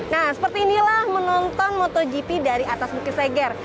nah seperti inilah menonton motogp dari atas bukit seger